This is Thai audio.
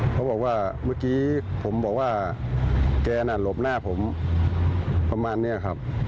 เขาบอกว่าเมื่อกี้ผมบอกว่าแกน่ะหลบหน้าผมประมาณนี้ครับ